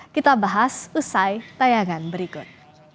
kita bahas usai tayangan berikut